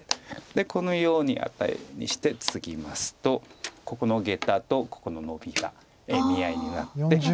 でこのようにアタリにしてツギますとここのゲタとここのノビが見合いになって。